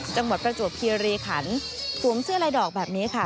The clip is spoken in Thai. จังหวัดประจวบภิริขันธ์สวงเสื้อลายดอกแบบนี้ค่ะ